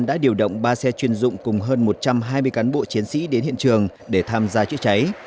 đã điều động ba xe chuyên dụng cùng hơn một trăm hai mươi cán bộ chiến sĩ đến hiện trường để tham gia chữa cháy